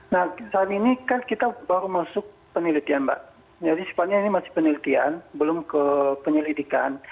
nah saat ini kan kita baru masuk penelitian mbak jadi sepanjang ini masih penelitian belum ke penyelidikan